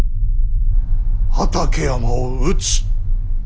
畠山を討つ。